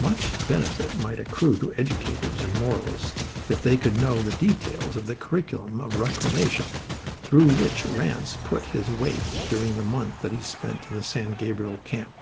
Much benefit might accrue to educators and moralists if they could know the details of the curriculum of reclamation through which Ranse put his waif during the month that he spent in the San Gabriel camp.